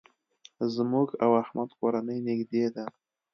زموږ او احمد کورنۍ نېږدې ده.